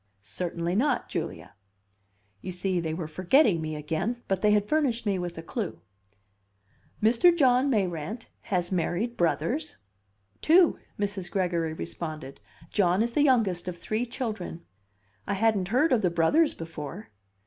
"Certainly not, Julia." You see, they were forgetting me again; but they had furnished me with a clue. "Mr. John Mayrant has married brothers?" "Two," Mrs. Gregory responded. "John is the youngest of three children." "I hadn't heard of the brothers before."